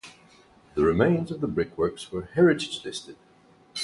The remains of the brickworks were heritage-listed.